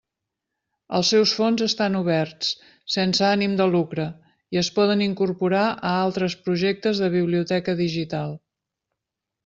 Els seus fons estan oberts, sense ànim de lucre, i es poden incorporar a altres projectes de biblioteca digital.